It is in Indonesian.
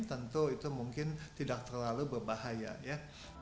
tentu itu mungkin tidak terlalu berbahaya ya